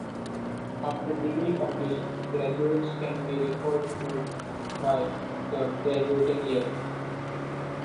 After degree completion, graduates can be referred to by their graduating year.